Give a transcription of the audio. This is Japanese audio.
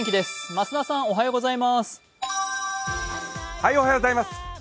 増田さんおはようございます。